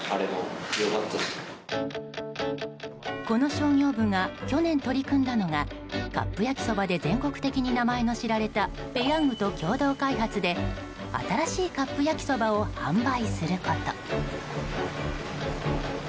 この商業部が去年取り組んだのがカップ焼きそばで全国的に名前の知られたペヤングと共同開発で新しいカップ焼きそばを販売すること。